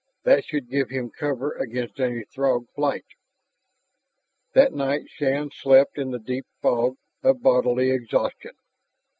That should give him cover against any Throg flight. That night Shann slept in the deep fog of bodily exhaustion.